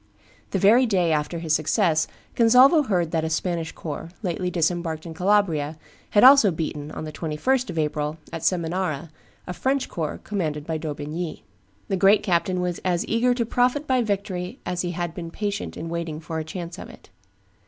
The very day after his success Gonzalvo heard that a Spanish corps, lately disembarked in Calabria, had also beaten, on the 21st of April, at Seminara, a French corps commanded by D'Aubigny. The great captain was as eager to profit by victory as he had been patient in waiting for a chance of it.